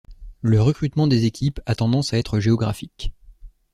Le recrutement des équipes a tendance à être géographique.